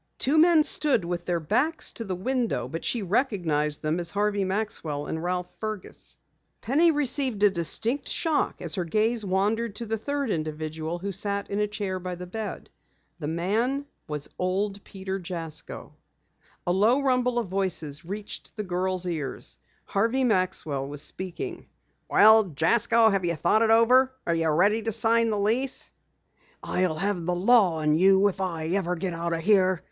Two men stood with their backs to the window, but she recognized them as Harvey Maxwell and Ralph Fergus. Penny received a distinct shock as her gaze wandered to the third individual who sat in a chair by the bed. The man was old Peter Jasko. A low rumble of voices reached the girl's ears. Harvey Maxwell was speaking: "Well, Jasko, have you thought it over? Are you ready to sign the lease?" "I'll have the law on you, if I ever get out of here!"